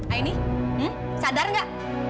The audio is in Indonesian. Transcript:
aini sadar gak